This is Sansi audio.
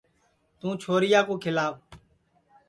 توں چھوریا کُو کھیلاو